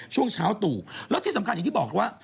ช่วงเช้าตู่แล้วที่สำคัญอย่างที่บอกว่า